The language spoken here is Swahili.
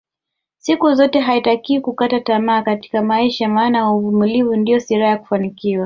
Siku zote haitakiwi kukata tamaa Katika maisha maana uvumilivu ndio silaha ya kufanikiwa